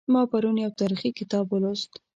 ما پرون یو تاریخي کتاب ولوست